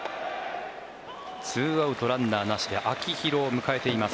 ２アウト、ランナーなしで秋広を迎えています。